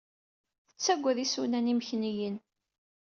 Tettagaded isunan imekniyen.